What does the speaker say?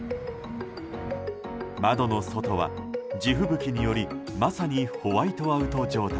窓の外は地吹雪によりまさにホワイトアウト状態。